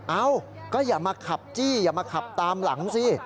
เอ้าก็อย่ามาขับจี้อย่ามาขับตามหลังสิ